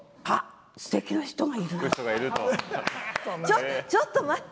ちょちょっと待って。